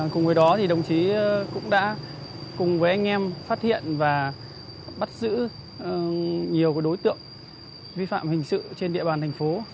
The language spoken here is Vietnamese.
cùng với đó thì đồng chí cũng đã cùng với anh em phát hiện và bắt giữ nhiều đối tượng vi phạm hình sự trên địa bàn thành phố